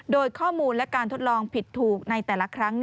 โดยข้อมูลและการทดลองผิดถูกในแต่ละครั้ง